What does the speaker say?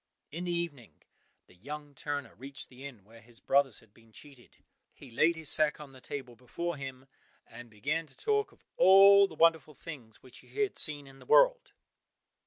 In the evening the young turner reached the inn where his brothers had been cheated. He laid his sack on the table before him, and began to talk of all the wonderful things which he had seen in the world.